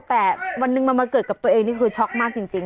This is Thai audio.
แต่วันหนึ่งมันมาเกิดกับตัวเองนี่คือช็อกมากจริง